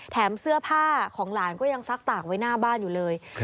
เสื้อผ้าของหลานก็ยังซักตากไว้หน้าบ้านอยู่เลย